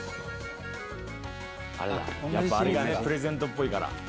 やっぱあれがプレゼントっぽいから。